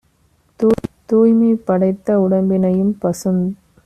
தூய்மை படைத்த உடம்பினையும் - பசுந்